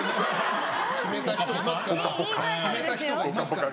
決めた人がいますからね。